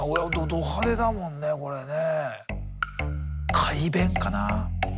ド派手だもんねこれね。